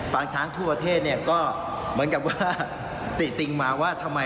ปางช้างทั่วประเทศก็เหมือนกับว่าติดติ่งมาว่า